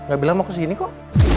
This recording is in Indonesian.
gak bilang mau kesini kok